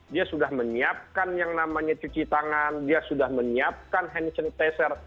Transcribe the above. dia sudah menyiapkan yang namanya cuci tangan dia sudah menyiapkan hand sanitizer